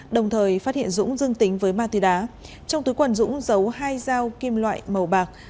đồng thời phát hiện dũng dương tính với ma túy đá trong túi quần dũng giấu hai dao kim loại màu bạc